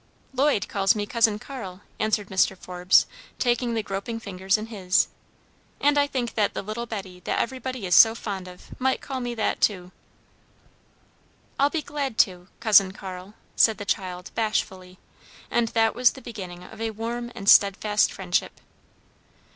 "Lloyd calls me Cousin Carl," answered Mr. Forbes, taking the groping fingers in his, "and I think that the little Betty that everybody is so fond of might call me that, too." "I'll be glad to Cousin Carl," said the child, bashfully, and that was the beginning of a warm and steadfast friendship.